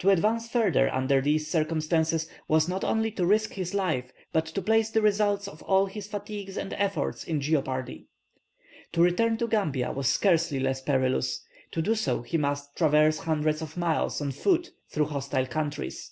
To advance further under these circumstances was not only to risk his life, but to place the results of all his fatigues and efforts in jeopardy. To return to Gambia was scarcely less perilous; to do so he must traverse hundreds of miles on foot through hostile countries.